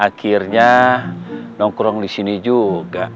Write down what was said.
akhirnya nongkrong disini juga